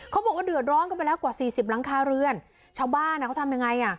เขาบอกว่าเดือดร้อนกันไปแล้วกว่าสี่สิบหลังคาเรือนชาวบ้านอ่ะเขาทำยังไงอ่ะ